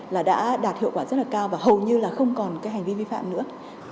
là đã đạt hiệu quả rất là cao và hầu như là không còn cái hành vi vi phạm nữa